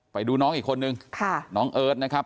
ไปดูน้องอีกคนนึงน้องเอิร์ทนะครับ